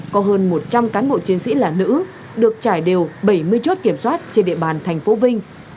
có hơn một trăm linh cán bộ chiến sĩ là nữ được trải đều bảy mươi chốt kiểm soát trên địa bàn thành phố vinh